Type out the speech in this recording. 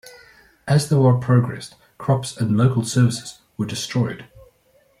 As the war progressed, crops and local services were destroyed.